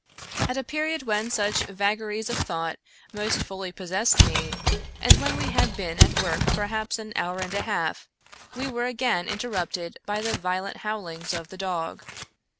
At a period when such vaga ries of thought most fully possessed me, and when we had been at work perhaps an hour and a half, we were again interrupted by the violent bowlings of the dog.